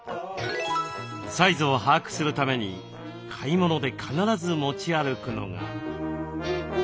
サイズを把握するために買い物で必ず持ち歩くのが。